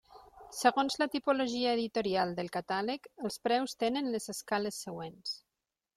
Segons la tipologia editorial del catàleg els preus tenen les escales següents.